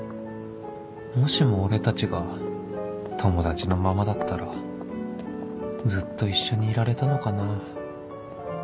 もしも俺たちが友達のままだったらずっと一緒にいられたのかな